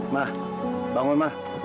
ma bangun ma